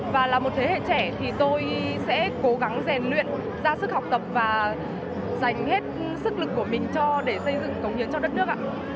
và là một thế hệ trẻ thì tôi sẽ cố gắng rèn luyện ra sức học tập và dành hết sức lực của mình cho để xây dựng cống hiến cho đất nước ạ